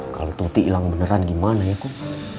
kalau tuti hilang beneran gimana ya kok